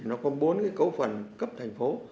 nó có bốn cấu phần cấp thành phố